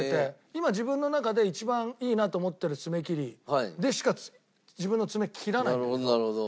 今自分の中で一番いいなと思ってる爪切りでしか自分の爪切らないんだけど。